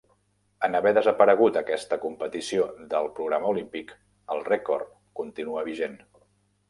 En haver desaparegut aquesta competició del programa olímpic el rècord continua vigent.